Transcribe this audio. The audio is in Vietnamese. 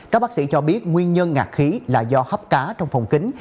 các bác sĩ cho biết nguyên nhân ngạc khí là do hấp cá trong phòng kính